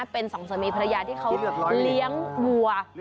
เป็นสองสามีภรรยาที่เขาเลี้ยงวัว